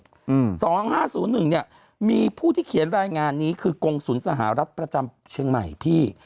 อืมสองห้าศูนย์หนึ่งเนี้ยมีผู้ที่เขียนรายงานนี้คือกรงศูนย์สหรัฐประจำเชียงใหม่พี่